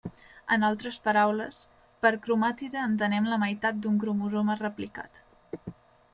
En altres paraules, per cromàtide entenem la meitat d'un cromosoma replicat.